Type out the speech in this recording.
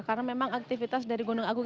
karena memang aktivitas dari gunung agung